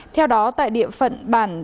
theo đó tại địa phận bản